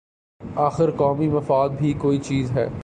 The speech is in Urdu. آخر قومی مفاد بھی کوئی چیز ہے۔